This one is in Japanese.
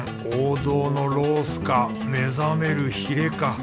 王道のロースか目覚めるひれか。